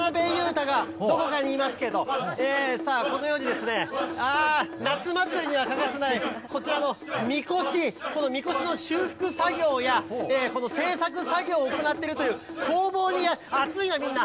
わっしょい、わっしょい、さあ、渡辺裕太がどこかにいますけど、さあ、このようにですね、あー、夏祭りには欠かせないこちらの神輿、この神輿の修復作業や、製作作業を行っているという工房に、あついな、みんな。